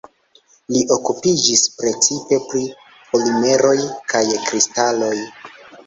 Li okupiĝis precipe pri polimeroj kaj kristaloj.